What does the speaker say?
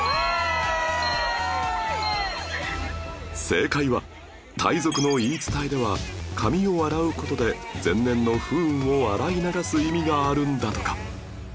正解はタイ族の言い伝えでは髪を洗う事で前年の不運を洗い流す意味があるんだとか